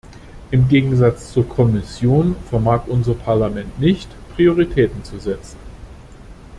Im Gegensatz zur Kommission vermag unser Parlament nicht, Prioritäten zu setzen.